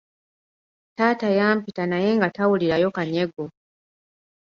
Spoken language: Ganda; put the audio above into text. Taata yampita naye nga tawulirayo kanyego.